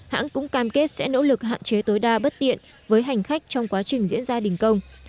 hãng cũng cam kết sẽ nỗ lực hạn chế tối đa bất tiện với hành khách trong quá trình diễn ra đình công